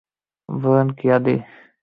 বললেন, হে আদী!